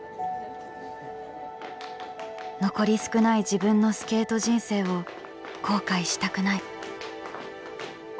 「残り少ない自分のスケート人生を後悔したくない」。